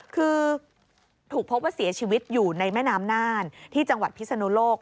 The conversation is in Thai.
คือถูกพบว่าเสียชีวิตอยู่ในแม่น้ำน่านที่จังหวัดพิศนุโลก